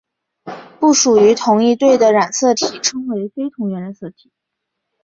不属于同一对的染色体称为非同源染色体。